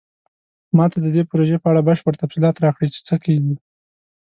ما ته د دې پروژې په اړه بشپړ تفصیلات راکړئ چې څه کیږي